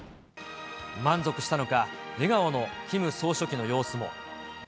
満足したのか、笑顔のキム総書記の様子も。